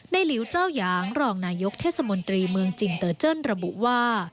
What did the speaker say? หลิวเจ้าหยางรองนายกเทศมนตรีเมืองจินเตอร์เจิ้นระบุว่า